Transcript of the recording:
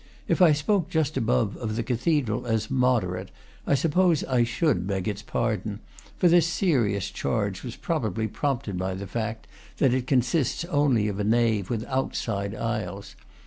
If I spoke just above of the cathedral as "moderate," I suppose I should beg its pardon; for this serious charge was probably prompted by the fact that it consists only of a nave, without side aisles.